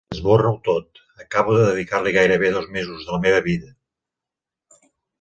Esborra-ho tot, acabo de dedicar-li gairebé dos mesos de la meva vida.